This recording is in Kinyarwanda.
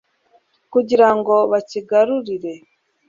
kugira ngo bakigarurire